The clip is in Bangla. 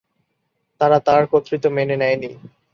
তারা তার কর্তৃত্ব মেনে নেয়নি।